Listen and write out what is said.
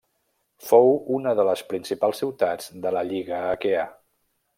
Fou una de les principals ciutats de la Lliga Aquea.